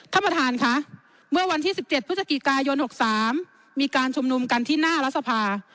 ท่านประธานค่ะเมื่อวันที่๑๗พฤศจิกายน๖๓มีการชุมนุมกันที่หน้ารัฐสภา